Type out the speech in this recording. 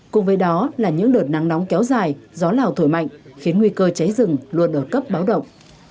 cùng với đó là những đợt nắng nóng kéo dài gió lào thổi mạnh khiến nguy cơ cháy rừng luôn ở cấp báo động